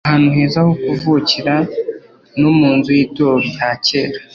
Ahantu heza ho kuvukira no munzu yitorero rya kera